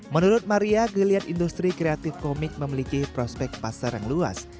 menurut maria geliat industri kreatif komik memiliki prospek pasar yang luas